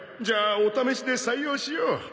じゃあお試しで採用しよう。